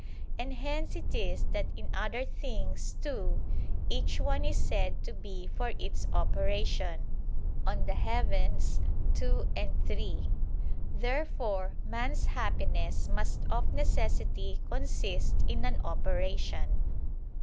And hence it is that in other things, too, each one is said to be "for its operation" (De Coel ii, 3). Therefore man's happiness must of necessity consist in an operation.